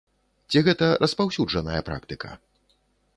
Ці гэта распаўсюджаная практыка?